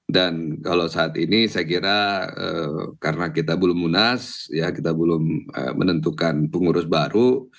dan kalau saat ini saya kira karena kita belum munas ya kita belum menentukan pengurus baru